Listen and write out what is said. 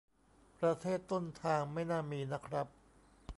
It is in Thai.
ประเทศต้นทางไม่น่ามีนะครับ